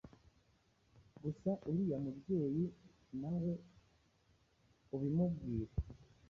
gusa uriya mubyeyi na we ubimubwire.